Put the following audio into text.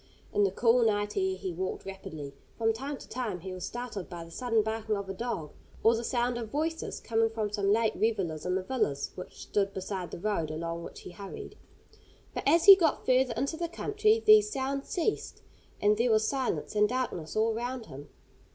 In the cool night air he walked rapidly. From time to time he was startled by the sudden barking of a dog, or the sound of voices coming from some late revellers in the villas which stood beside the road along which he hurried. But as he got further into the country these sounds ceased, and there was silence and darkness all round him.